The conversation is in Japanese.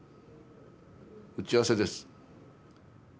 打ち合わせです。